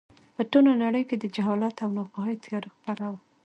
په ټوله نړۍ کې د جهالت او ناپوهۍ تیاره خپره وه.